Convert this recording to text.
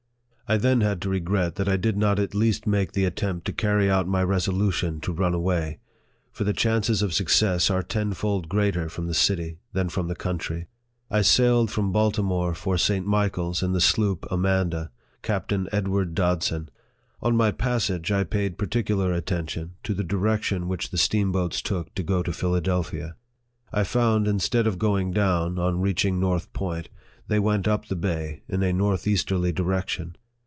I then had to regret that I did not at least make the attempt to carry out my resolution to run away ; for the chances of success are tenfold greater from the city than from the country. I sailed from Baltimore for St. Michael's in the sloop Amanda, Captain Edward Dodson. On my passage, I paid particular attention to the direction which the steamboats took to go to Philadelphia. I found, instead of going down, on reaching North Point they went up the bay, in a north easterly direction.